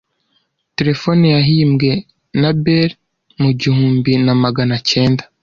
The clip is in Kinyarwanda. Terefone yahimbwe na Bell mu gihumbi na Magana cyenda.